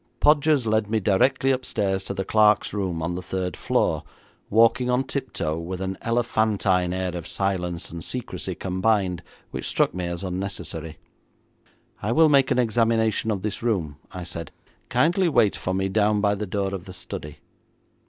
Podgers led me directly upstairs to the clerk's room on the third floor, walking on tiptoe, with an elephantine air of silence and secrecy combined, which struck me as unnecessary. 'I will make an examination of this room,' I said. 'Kindly wait for me down by the door of the study.'